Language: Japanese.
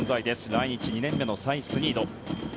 来日２年目のサイスニード。